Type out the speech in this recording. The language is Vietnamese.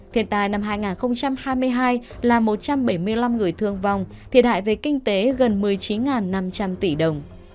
thiên tai năm hai nghìn hai mươi hai là một trăm bảy mươi năm người thương vong thiệt hại về kinh tế gần một mươi chín năm trăm linh tỷ đồng